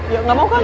ya gak mau kan